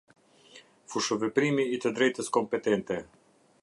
Fushëveprimi i të drejtës kompetente.